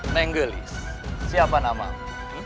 menggelis siapa namamu